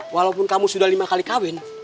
walaupun kamu sudah lima kali kawin